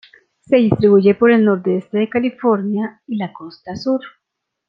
Se distribuye por el nordeste de California y la costa sur.